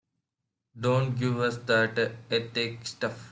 Don't give us that ethics stuff.